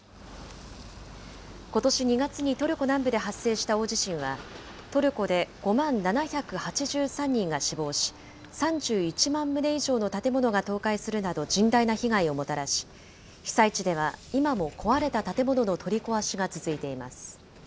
ことし２月にトルコ南部で発生した大地震は、トルコで５万７８３人が死亡し、３１万棟以上の建物が倒壊するなど甚大な被害をもたらし、被災地では今も壊れた建物の取り壊しが続いています。